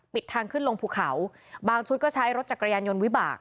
ทางขึ้นลงภูเขาบางชุดก็ใช้รถจักรยานยนต์วิบาก